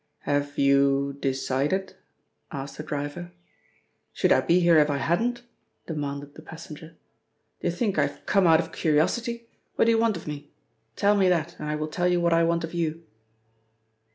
"Have you decided?" asked the driver. "Should I be here if I hadn't?" demanded the passenger. "Do you think I've come out of curiosity? What do you want of me? Tell me that, and I will tell you what I want of you."